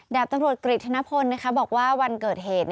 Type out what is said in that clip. ดาบตำรวจกริจธนพลบอกว่าวันเกิดเหตุ